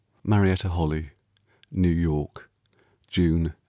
Marietta Holley. New York, June, 1887.